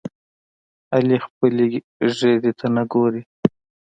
علي خپلې ګیرې ته نه ګوري.